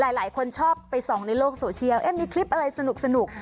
หลายคนชอบไปส่องในโลกโซเชียลมีคลิปอะไรสนุก